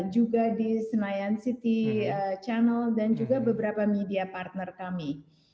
juga di senayan city channel dan juga beberapa media partner kami